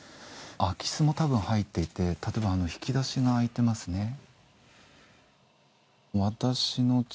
空き巣も多分入っていて例えば引き出しが開いてますね。